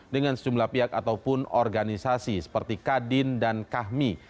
dengan sejumlah pihak ataupun organisasi seperti kadin dan kahmi